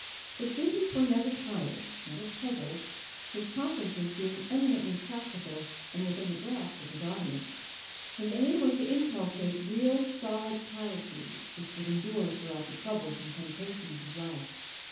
The students were never tired, never puzzled, his conferences being eminently practical and within the grasp of his audience. His aim was to inculcate real solid piety which would endure throughout the troubles and temptations of life.